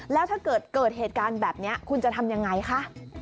แล้วถ้าเกิดเกิดเหตุการณ์แบบนี้คุณจะทำยังไงคะ